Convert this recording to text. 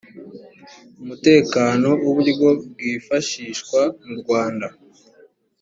umutekano w uburyo bwifashishwa murwanda